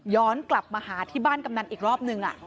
กลับมาหาที่บ้านกำนันอีกรอบนึง